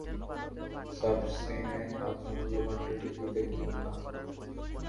সাবসিনে আপনার মূল্যবান রেটিং দিতে ভুলবেন না।